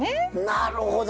なるほど！